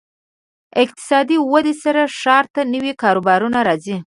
اقتصادي ودې سره ښار ته نوي کاروبارونه راځي.